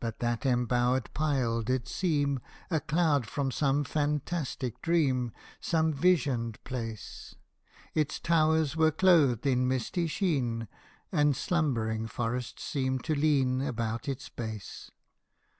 But that embowered pile did seem A cloud from some fantastic dream Some visioned place : Its towers were clothed in misty sheen, And slumbering forests seemed to lean About its base.